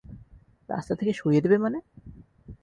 রাস্তা থেকে সরিয়ে দেবে মানে?